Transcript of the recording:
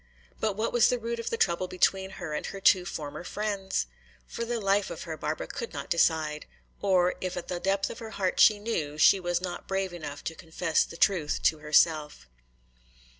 But what was the root of the trouble between her and her two former friends? For the life of her Barbara could not decide. Or, if at the depth of her heart she knew, she was not brave enough to confess the truth to herself.